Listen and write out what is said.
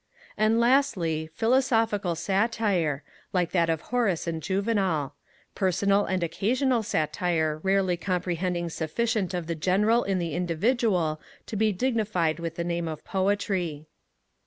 And, lastly, philosophical Satire, like that of Horace and Juvenal; personal and occasional Satire rarely comprehending sufficient of the general in the individual to be dignified with the name of poetry.